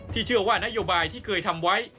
เชื่อว่านโยบายที่เคยทำไว้